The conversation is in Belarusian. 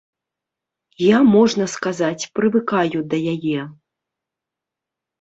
Я, можна сказаць, прывыкаю да яе.